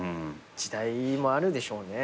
時代もあるでしょうね。